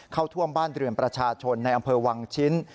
เข้าท่วมบ้านเรือนประชาชนในอำเภอวังชิ้น